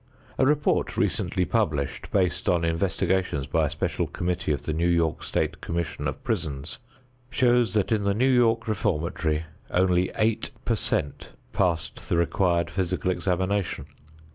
A report recently published, based on investigations by a special committee of the New York State Commission of Prisons, shows that in the New York Reformatory only eight per cent passed the required physical examination.